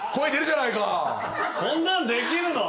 そんなんできるの！？